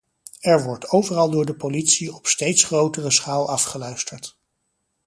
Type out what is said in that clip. Er wordt overal door de politie op steeds grotere schaal afgeluisterd.